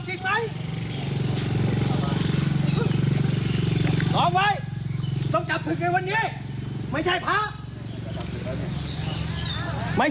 ใช่พระไหมเพราะไม่เคยที่จะลงทำวัดไม่เคยบินทบาท